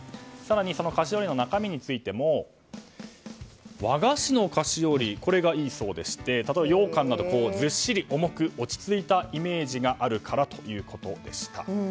その菓子折りの中身についても和菓子の菓子折りがいいそうで例えば、ようかんなどはずっしり重く落ち着いたイメージがあるからということでした。